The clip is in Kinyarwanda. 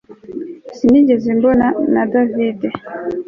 Sinigeze mbona na David